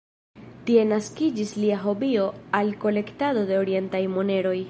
Tie naskiĝis lia hobio al kolektado de orientaj moneroj.